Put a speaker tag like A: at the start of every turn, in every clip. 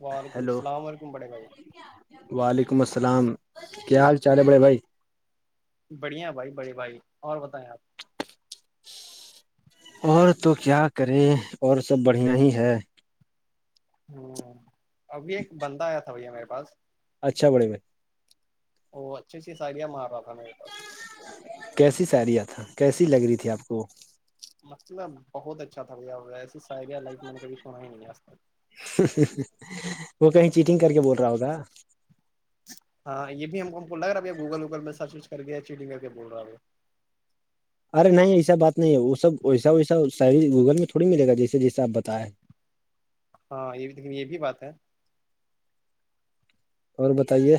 A: وعلیکم
B: ہیلو
A: السلام علیکم بڑے بھائی
B: وعلیکم السلام کیا حال چال ہے بڑے بھائی
A: بڑھیا بھائی بڑے بھائی اور بتائیں آپ
B: اور تو کیا کریں اور سب بڑھیا ہی ہے
A: ہوں ابھی ایک بندہ آیا تھا بھیا میرے پاس
B: اچھاڑے میں
A: وہ اچھی اچھی سایاں مارا تھا میرے پاس
B: کیسی ساریاں تھا کیسی لگ رہی تھی آپ کو
A: مطلب بہت اچھا تھا بھیا ویسے سا آ گیا لائف میں نے کبھی سنا ہی نہیں آج تک
B: وہ کہیں چیٹنگ کر کے بول رہا ہوگ
A: ہاں یہ بھی ہم کو بول رہا اب یہ گوگل ووگل میں سرچ وچ کر کے چیٹنگ کر کے بول رہا اب
B: ارے نہیں ایسا بات نہیں ہے وہ سب ویسا ویسا سا گوگل میں تھوڑی ملے گا جیسے جیسے آپ بتیں
A: ہاں یہ بھی لیکن یہ بھی بات ہے
B: اور بتائیے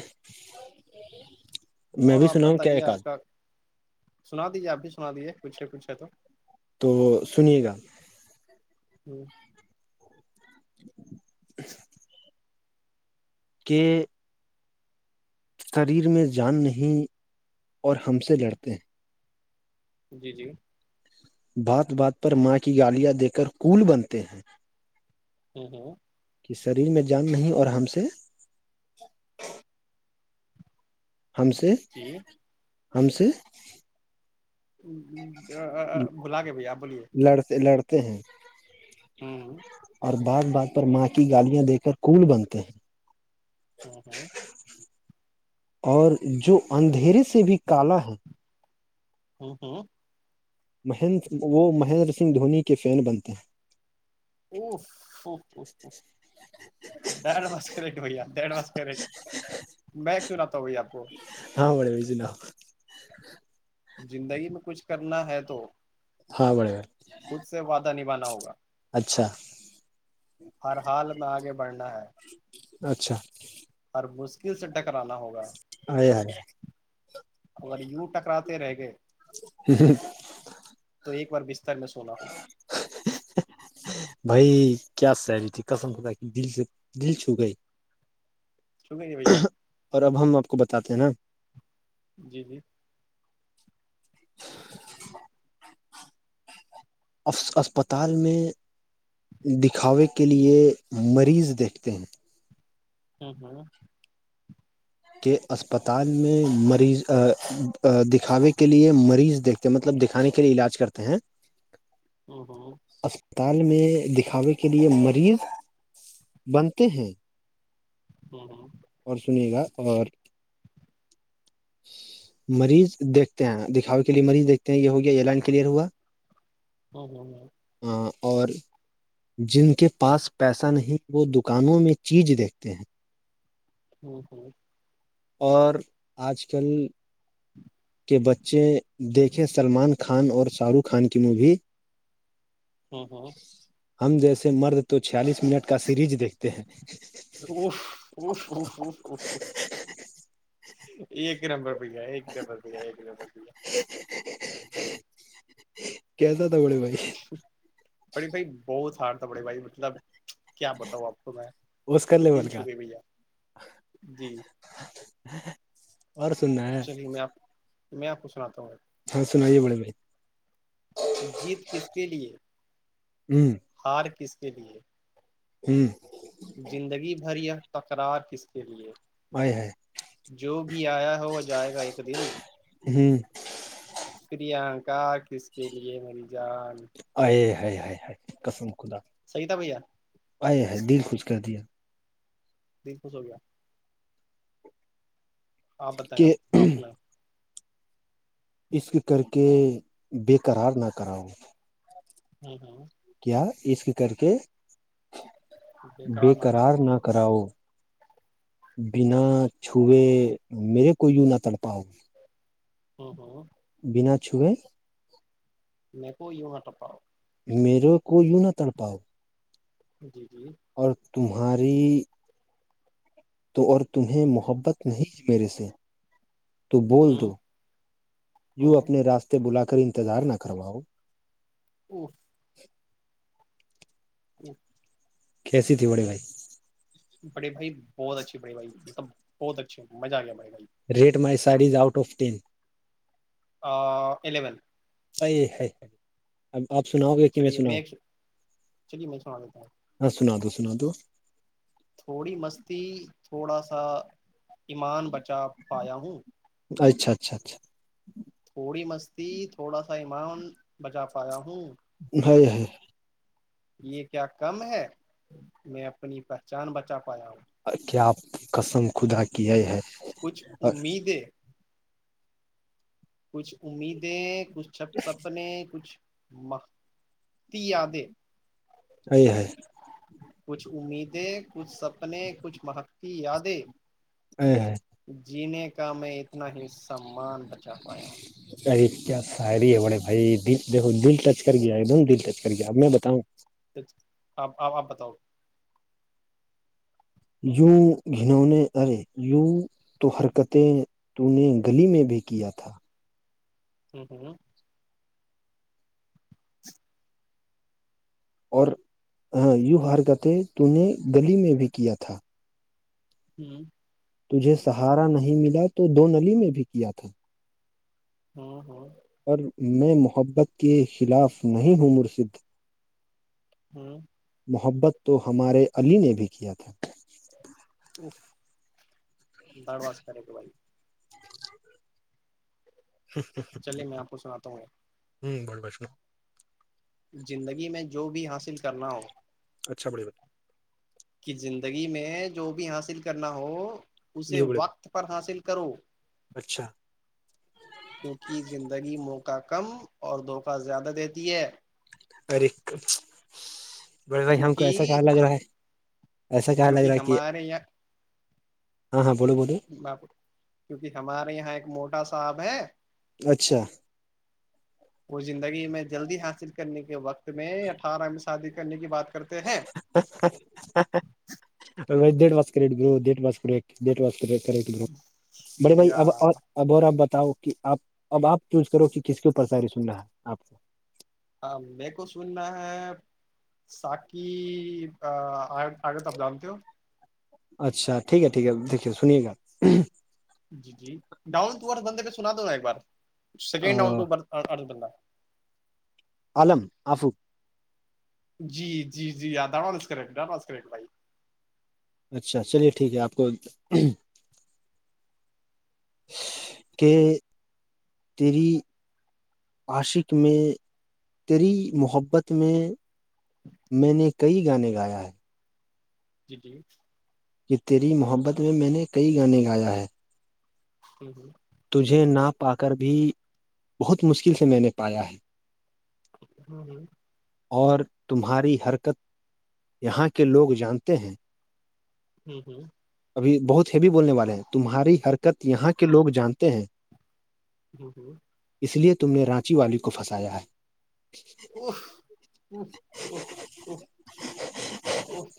B: میں
A: اور
B: بھی
A: آپ
B: سنا ہوں کیا
A: بتائیے
B: ایک آد
A: آپ کا سنا دیجیے آپ بھی سنا دیجیے کچھ ہے کچھ ہے تو
B: تو سنیے گا
A: جوں
B: [inaudible] کہ شریر میں جان نہیں اور ہم سے لڑتے ہیں
A: جی جی
B: بات بات پر ماں کی گالیاں دے کر کول بنتے ہیں
A: ہوں ہوں
B: کہ شریر میں جان نہیں اور ہم سے ہم سے
A: جی
B: ہم سے
A: جی
B: لڑتے لڑتے ہیں
A: ہوں
B: اور بات بات پر ماں کی گالیاں دے کر کول بنتے ہیں
A: ہوں ہوں
B: اور جو اندھیرے سے بھی کال ہے
A: ہوں ہوں
B: مہ وہ مہینندر سنگھ دھونی کے فین بنتے ہیں
A: ا ڈھ بس کریکٹ بھیا ڈھ باس کریکٹ میں سناتا ہوں بھیا آپ کو
B: ہاں بے نہ
A: زندگی میں کچھ کرنا ہے تو
B: ہاں بڑے بھائی
A: خود سے وعدہ نبھانا ہوگا
B: اچھا
A: ہر حال میں آگے بڑھنا ہے
B: اچھا
A: ہر مشکل سے ٹکرانا ہوگا
B: ارے ارے
A: اگر یوں ٹکراتے رہ گئے
B: ہ
A: تو ایک بار بستار میں سونا ہوگا
B: بھائی کیا سیلی تھی کسم خدا کی دل سے دل چھو گئی
A: شو کریے بھار
B: اور اب ہم آپ کو بتاتے ہیں نا
A: جی جی
B: اسپتال میں دکھاوے کے لیے مریض دیکھتے ہیں
A: ہوں ہوں
B: کہ اسپتال میں مریض دکھاوے کے لیے مریض دیکھ مطلب دکھانے کے لیے علاج کرتے ہیں
A: ہوں
B: اسپتال میں دکھاوے کے لیے مریض بنتے ہیں
A: ہاں ہاں
B: اور سنیے گا اور مریض دیکھتے ہیں دکھاے کے لیے مریض دیکھتے ہیں یہ ہو گیا یہ لائن کلیئر ہوا
A: ہاں ہاں ہاں
B: ہ اور جن کے پاس پیسہ نہیں وہ دکانوں میں چیز دیکھتے ہیں
A: ہوں ہوں
B: اور آج کل
A: [inaudible]
B: کے بچے دیکھے سلمان خان اور شاہ رخ خان کی مووی
A: ہوں ہوں
B: ہم جیسے مرد تو چھیالیس منٹ کا سیریز دیکھتے ہیں
A: روووو یہ ایک ہی نمبر بھیا ایک د بھیا ایک د بدھیا
B: کیس تھا بڑے بھائی
A: بڑے بھائی بہت ہار تھا بڑے بھائی مطلب کیا بتاؤ آپ کو میں
B: اس کا لیول
A: دل
B: کا
A: چھپے بھیا جی
B: ہ
A: چلیے میں آپ میں آپ کو سناتا ہوں
B: ہاں سنائیے بولے بھائی
A: جیت کس کے لئے
B: ہ
A: ہار کس کے لئے
B: ہوں
A: زندگی بھر تکرار کس کے لیے
B: بائے ہےائے
A: جو بھی آیا ہو جائے گا ایک دن
B: ہوں
A: پانکا کس کے لیے میری جان
B: آئے ہائے ہائے ہائے کسم خدا
A: صحیح تھا بھیا
B: آئے ہائے دل خوش کر دیا
A: تیس سو سو گپیا آپ بتائیں آپ
B: کہ
A: آپ ل
B: اس کے کر کے بےقرار نہ کراؤ
A: ہوں ہوں
B: کیا اس کر کے بے
A: بےیکار نہ
B: قرار
A: کراؤ
B: نہ کراؤ بنا چھئے میرے کو یوں نہ تڑ پاؤ گی
A: ہوں ہوں
B: بنا چھوے
A: مکو ونٹ پرر
B: میرے کو یوں نہ تڑپاؤ
A: جی جی
B: اور تمہاری تو اور تمہیں محبت نہیں میرے سے تو بول
A: ہ
B: دو یوں
A: ہ
B: اپنے راستے بلا کر انتظار نہ کرواؤ
A: اوف جی
B: کھیسی ت وڑے بائی
A: بڑے بھائی بہت اچھے بڑے بھائی مطلب بہت اچھے مہ آ گیا بڑے بھائی
B: rate my saris out of ten
A: eleven
B: صحیح ہے ہے اب آپ سناؤ گے کہ میں سناؤ
A: چلیے میں سنا دیتا ہوں
B: ہاں سنا دو سنا دو
A: تھوڑی مستی تھوڑا سا ایمان بچا پایا ہوں
B: اچھا اچھا اچھا
A: تھوڑی مستی تھوڑا سا ایمان بجا پایا ہوں
B: ہے
A: یہ کیا کم ہے میں اپنی پہچان بچا پایا ہوں
B: کیا قسم خدا کی ہے
A: کچھ
B: اور
A: امیدیں کچھ امیدیں کچھ چھپ سپنے کچھ متی یادیں
B: اہے
A: کچھ امیدیں کچھ سپنے کچھ مہتی یادیں
B: ا ہ
A: جینے کا میں اتنا ہی سامان بچا پایا
B: ارے کیا ساعری ہے بڑے بھائی د دھو دل ٹچ کر گیا ایک دم دل ٹچ کر گیا اب میں بتاؤں
A: آپ آپ آپ بتاؤ
B: یوں گھنونے ارے ی تو حرکتیں تو نے گلی میں بھی کیا تھا
A: ہوں ہوں
B: اور ہ یوں حرکتیں تو نے گلی میں بھی کیا تھا
A: [inaudible]
B: تجھے سہارا نہیں ملا تو دو نلی میں بھی کیا تھا
A: ہوں ہوں
B: پر میں محبت کے خلاف نہیں ہوں مرسد
A: ہوں
B: محبت تو ہمارے علی نے بھی کیا تھا
A: درواز کرے بھائی چلے میں آپ کو سناتا ہوں
B: ہوں بڑ بیشنا
A: زندگی میں جو بھی حاصل کرنا ہو
B: اچھا بڑیات
A: کہ زندگی میں جو بھی حاصل کرنا ہو اسے
B: نیو بڑے بھائی
A: وقت پر حاصل کرو
B: اچھا
A: کیونکہ زندگی موقع کم اور دھوکہ زیادہ دیتی ہے
B: ارق بے بھائی ہم کو ایسا کہا
A: کیونکہ
B: لگ رہا ہے ایسا کہا لگ رہا
A: کیونکہ
B: ہے کہ
A: ہمارے یہاں
B: ہاں ہاں بو بو
A: کیونکہ ہمارے یہاں ایک موٹا صاحب ہے
B: اچھا
A: وہ زندگی میں جلدی حاصل کرنے کے وقت میں یا اٹھارہ میں شادی کرنے کی بات کرتے ہیں
B: did wash cut do did ماس کو ایک د واس کر بڑے بھائی
A: یا
B: اب اب اور آپ بتاؤ کہ آپ اب آپ چوز کرو کہ کس کے اوپر سااری سن رہ ہے آپ کو
A: ہاں میر کو سننا ہے ساکی آگے تب جانتے ہو
B: اچھا ٹھیک ہے ٹھیک ہے دیکھیے سنیے گا
A: جی جی ڈاؤن ٹو ارھ بندے پہ سنا دووں میںا ایک بار سیکنڈ ڈاؤن
B: گا
A: ٹو ارھ بندہ
B: علم آفوق
A: جی جی جی ڈانوس کرے گ ڈانس کرے گ بھائی
B: اچھا چلیے ٹھیک ہے آپ کو کہ تیری عاشق میں تیری محبت میں میں نے کئی گانے گایا ہے
A: جی جی
B: کہ تیری محبت میں میں نے کئی گانے گایا ہے
A: ہوں ہوں
B: تجھے نہا پا کر بھی بہت مشکل سے میں نے پایا ہے
A: ہوں جی
B: اور تمہاری حرکت یہاں کے لوگ جانتے ہیں
A: ہوں ہوں
B: ابھی بہت ہیوی بولنے والے ہیں تمہاری حرکت
A: ہوں
B: یہاں کے لوگ جانتے ہیں
A: جی جی
B: اس لیے تم نے رانچی والی کو پھنسایا ہے
A: [unintelligible] [unintelligible]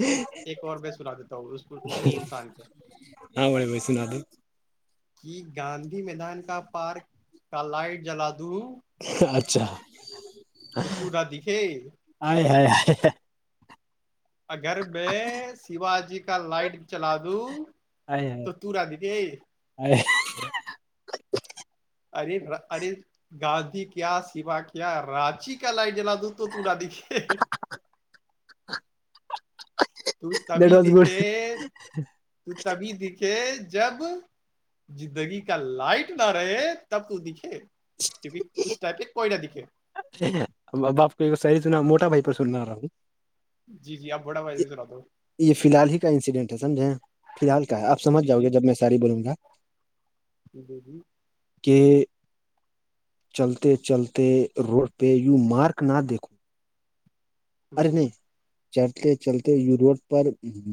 A: اچھا ایک اور میں سنا دیتا ہوں اس اگنی انسان پ
B: ہاں بھائی بھی سنا دی
A: کہ گاندھی میدان کا پارک کا لائٹ جلا دوں
B: اچھا
A: تو پورا دکھے اگر میں شیوا جی کا لائٹ بھی چلا دوں تو تو نہ دکھے
B: [unintelligible]
A: اری ار گاندھی کیا سیوا کیا راچی کا لائ جلا د تو تورا دیککھے
B: [unintelligible]
A: تو
B: دیٹ
A: تبھی
B: واز گڈ
A: دکھے تو تبھی دکھے جب زندگی کا لائٹ نہ رہے تب تو دکھے کیونکہ اس ٹائپ پر کوئی ن دکھے
B: اچ اب آپ کو شاعری سنا موٹا بھائی پر سنا رہا ہوں
A: جی جی آپ بڑا بھائی پی سنا دو
B: یہ فی الحال ہی کا انسیڈنٹ ہے سمجھیں فی الحال کا ہے آپ سمجھ
A: جی جی
B: جاؤگے جب میں شاعری بولوں گا
A: جی جی
B: کہ چلتے چلتے روڈ پہ یو مارک نہ دیکھو ارے نہیں چلتے چلتے یو روڈ پر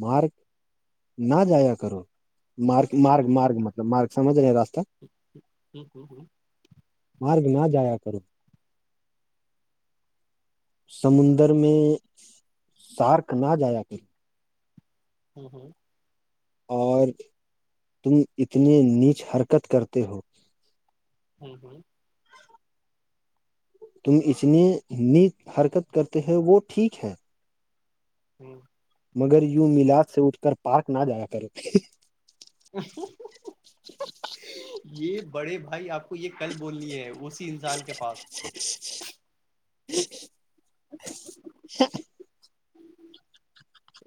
B: مارک نہ جایا کرو مارک مارگ مارگ مطلب مارگ سمجھ رہے راستہ مارگ نہ جایا کرو سمندر اندر میں سارک نہ جایا کر
A: ہوں ہوں
B: اور تم اتنے نیچ حرکت کرتے ہو
A: ہوں ہوں
B: تم اتنی ن حرکت کرتے ہیں وہ ٹھیک ہے
A: ہوں
B: مگر یوں میلاد سے اٹھ کر پارک نہ جایا کرو
A: یہ بڑے بھائی آپ یہ کل بولنی ہے اسی انسان کے پاس
B: [inaudible]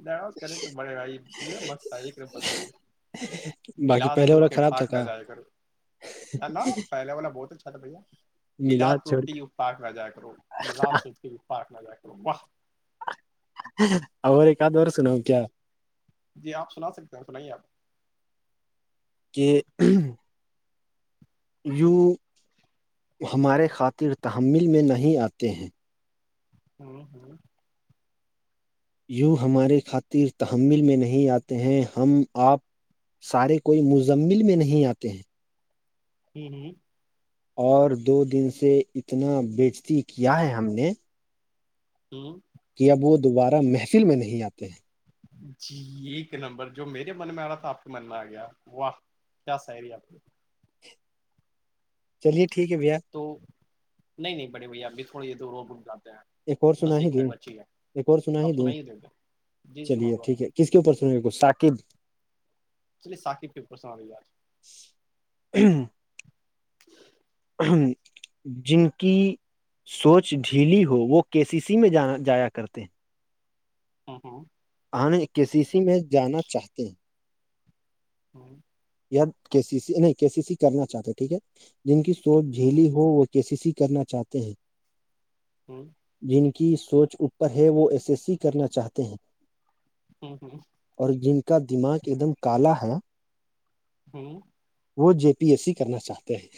A: دا کرٹر بڑے بھائی یہ مست تھا ایک نمبر تھا یے
B: باقی
A: میلاد سے
B: پہلے والا
A: اٹھ کر
B: خراب تھا
A: پارک نا
B: کا
A: جایا کروں نہ نہ پہلے والا بہت اچھا تھا بھیا میلاد
B: ملاد
A: سے
B: چھوڑ
A: اٹھک یو پارک نا جایا کرو میلاد سے اٹھکے یو پارک نا جایا کرو وہ
B: اور ایک ات اور سناؤ کیا
A: جی آپ سنا سکتے ہیں سنائیے آپ
B: کہ یوں ہمارے خاطر تحمل میں نہیں آتے ہیں
A: ہوں ہوں
B: یوں ہمارے خاطر تحمل میں نہیں آتے ہیں ہم آپ سارے کوئی مزمل میں نہیں آتے ہیں
A: ہی ہ
B: اور دو دن سے اتنا بیجتی کیا ہے ہم نے
A: ہوں
B: کہ اب وہ دوبارہ محفل میں نہیں آتے ہیں
A: جی ایک نمبر جو میرے من میں آ رہا تھا آپ کے من میں آ گیا واہ کیا سیری آپ کی
B: چلیے ٹھیک ہے بھیا
A: تو نہیں نہیں بڑے بھیا اب بھی تھوڑی یہ د ر رک جاتے ہیں
B: ایک اور سنا
A: بس
B: ہی
A: ایک
B: دوں
A: منٹ بچی ہے
B: ایک اور سنا ہی
A: آپ
B: د
A: سنائیے دے دیں جی سنا
B: چلیے
A: دو آپ
B: ٹھیک ہے کس کے اوپرسن کو سااکب
A: چلیے ساقب پپر سنوی بات ہے
B: ہ ہم جن کی سوچ ڈھیلی ہو وہ کے سی سی میں جانا جایا کرتے ہیں
A: ہوں ہوں
B: ہمیں کسی سی میں جانا چاہتے ہیں
A: ہوں
B: یا کے سی سی نہیں کے سی سی کرنا چاہتے ٹھیک ہے جن کی سوچ
A: ہوں
B: جھیلی ہو وہ کیسیسیی کرنا چاہتے ہیں
A: ہوں
B: جن کی سوچ اوپر ہے وہ ایسےسیی کرنا چاہتے ہیں
A: ہوں ہ
B: اور جن کا دماغ ایک دم کالا ہے
A: جی
B: وہ جے پی ایس سی کرنا چاہتے ہیں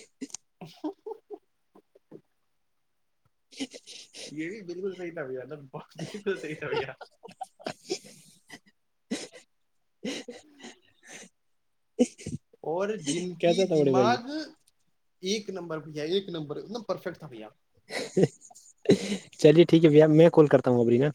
A: اا
B: جیک
A: یہ بھی بالکل صحیح تھا بھیا نا ب بالکل صح تھا بھیا
B: [inaudible]
A: اور جن کی
B: کیسا تھا بڑے بھائی
A: دماغ ایک نمبر بھیا ایک نمبر ایک دم پرفیکٹ تھا بھیا
B: چلیے ٹھیک ہے بھیا میں کال کرتا ہوں ابری نا